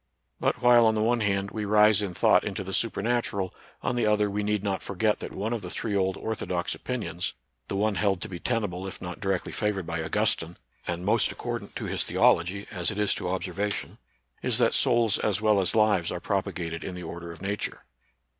But while, on the one hand, we rise in thought into the su pernatural, on the other we need not forget that one of the three old orthodox opinions, — the one held to be tenable if not directly favored by Augustine, and most accordant to his the ology, as it is to observation, — is that souls as well as lives are propagated in the order of Nature.